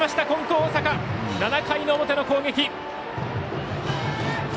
金光大阪７回の表の攻撃。